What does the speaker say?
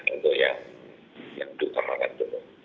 untuk yang duka makan dulu